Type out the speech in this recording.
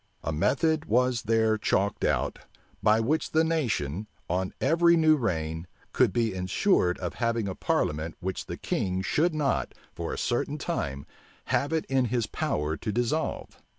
A method was there chalked out, by which the nation, on every new reign, could be insured of having a parliament which the king should not, for a certain time, have it in his power to dissolve.